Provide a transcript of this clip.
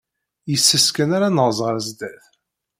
Yes-s kan ara naẓ ɣer sdat.